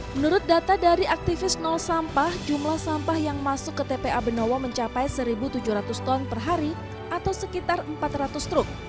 menurut data dari aktivis nol sampah jumlah sampah yang masuk ke tpa benowo mencapai satu tujuh ratus ton per hari atau sekitar empat ratus truk